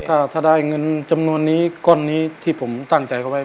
ถ้าได้เงินจำนวนนี้ก้อนนี้ที่ผมตั้งใจเขาไว้